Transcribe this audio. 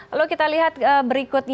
lalu kita lihat berikutnya